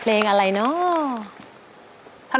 เพลงอะไรเนาะ